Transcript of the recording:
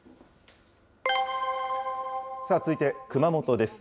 さあ続いて熊本です。